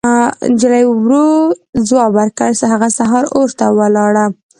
نجلۍ ورو ځواب ورکړ: هغه سهار اور ته ولاړه.